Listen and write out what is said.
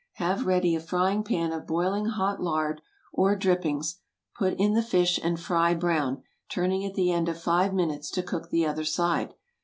Have ready a frying pan of boiling hot lard or drippings; put in the fish and fry brown, turning at the end of five minutes to cook the other side.